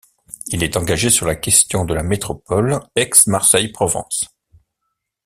Il est engagé sur la question de la métropole Aix Marseille Provence.